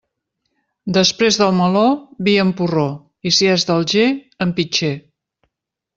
Després del meló, vi en porró, i si és d'Alger, en pitxer.